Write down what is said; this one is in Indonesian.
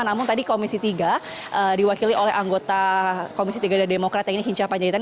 namun tadi komisi tiga diwakili oleh anggota komisi tiga dari demokrat ini hinca panjaitan